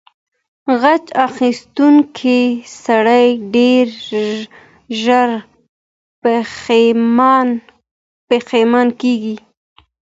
غچ اخیستونکی سړی ډیر ژر پښیمانه کیږي.